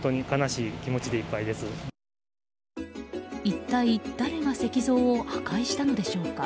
一体、誰が石造を破壊したのでしょうか。